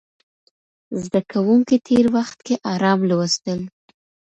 زده کوونکي تېر وخت کې ارام لوستل.